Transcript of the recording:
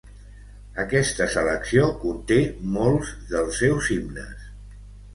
Aquesta selecció conté molts dels seus himnes.